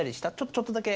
ちょっとだけ？